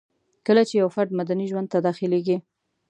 کله چي يو فرد مدني ژوند ته داخليږي